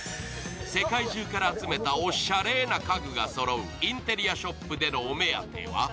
世界中から集めたおしゃれな家具がそろうインテリアショップでのお目当ては？